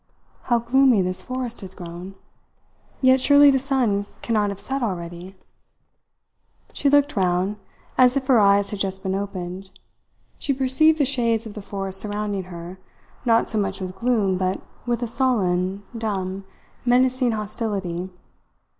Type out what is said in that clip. "How gloomy this forest has grown! Yet surely the sun cannot have set already." She looked round; and as if her eyes had just been opened, she perceived the shades of the forest surrounding her, not so much with gloom, but with a sullen, dumb, menacing hostility.